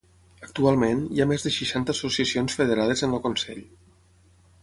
Actualment, hi ha més de seixanta associacions federades en el consell.